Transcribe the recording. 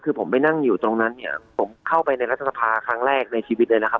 คือผมไปนั่งอยู่ตรงนั้นเนี่ยผมเข้าไปในรัฐสภาครั้งแรกในชีวิตเลยนะครับ